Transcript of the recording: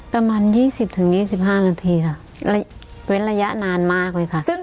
ประมาณ๒๐๒๕นาทีค่ะเว้นระยะนานมากเลยค่ะ